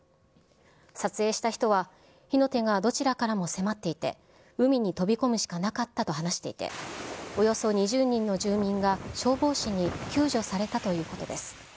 撮影した人は、火の手がどちらからも迫っていて、海に飛び込むしかなかったと話していて、およそ２０人の住人が消防士に救助されたということです。